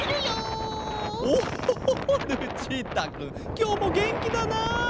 きょうもげんきだな。